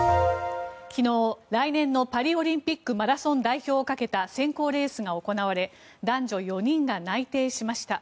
昨日、来年のパリオリンピックマラソン代表をかけた選考レースが行われ男女４人が内定しました。